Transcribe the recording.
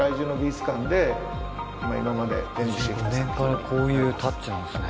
６５年からこういうタッチなんですね。